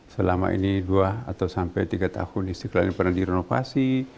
selama ini dua atau sampai tiga tahun istiqlal ini pernah direnovasi